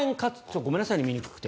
ごめんなさいね、見にくくて。